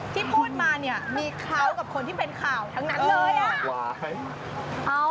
ที่พูดมามีขาวกับคนที่เป็นขาวทั้งนั้นเลยนะ